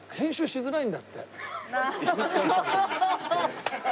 しづらいんだって。